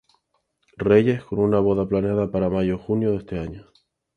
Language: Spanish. Reyes, con una boda planeada para mayo o junio de ese año.